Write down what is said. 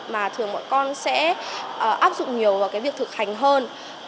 mà thường bọn con sẽ áp dụng nhiều vào cái việc thực hành hơn